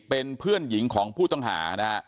เป็นเพื่อนหญิงของผู้ต้องหานะฮะ